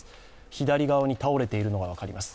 左側に倒れているのが分かります